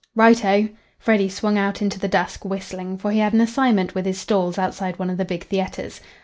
"Right oh." Freddy swung out into the dusk, whistling, for he had an assignment with his "stalls" outside one of the big theatres.